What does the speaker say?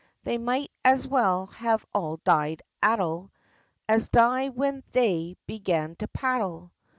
They might as well have all died addle As die when they began to paddle!